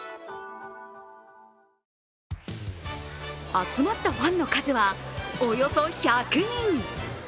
集まったファンの数はおよそ１００人。